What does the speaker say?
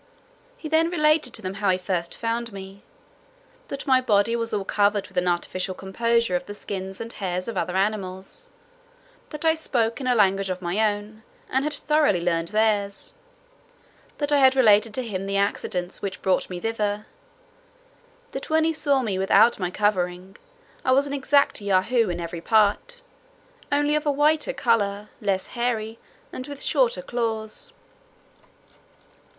He then related to them how he first found me; that my body was all covered with an artificial composure of the skins and hairs of other animals; that I spoke in a language of my own, and had thoroughly learned theirs; that I had related to him the accidents which brought me thither; that when he saw me without my covering, I was an exact Yahoo in every part, only of a whiter colour, less hairy, and with shorter claws.